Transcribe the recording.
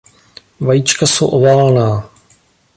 Vajíčka jsou oválná.